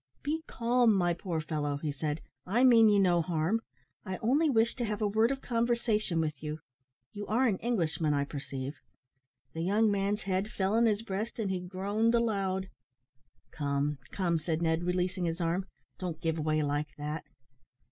"Be calm, my poor fellow," he said, "I mean you no harm; I only wish to have a word of conversation with you. You are an Englishman, I perceive." The young man's head fell on his breast, and he groaned aloud. "Come, come," said Ned, releasing his arm, "don't give way like that."